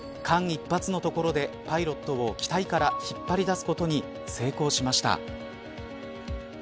間一髪のところでパイロットを機体から引っ張り出すことに成功しました。